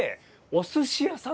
お寿司屋さん。